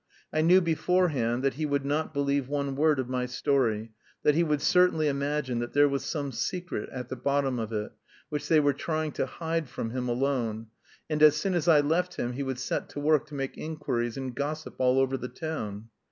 I knew beforehand that he would not believe one word of my story, that he would certainly imagine that there was some secret at the bottom of it, which they were trying to hide from him alone, and as soon as I left him he would set to work to make inquiries and gossip all over the town.